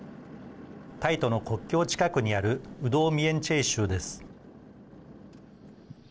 タイとの国境近くにあるウドーミエンチェイ州です。